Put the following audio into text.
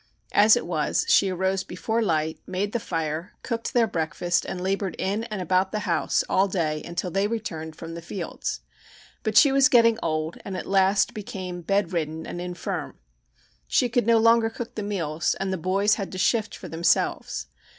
As it was, she arose before light, made the fire, cooked their breakfast and labored in and about the house all day until they returned from the fields. But she was getting old and at last became bedridden and infirm. She could no longer cook the meals, and the boys had to shift for themselves.